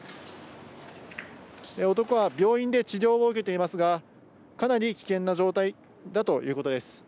男は病院で治療を受けていますが、かなり危険な状態だということです。